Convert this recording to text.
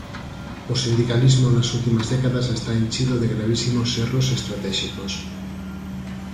O sindicalismo nas últimas décadas está enchido de gravísimos erros estratéxicos.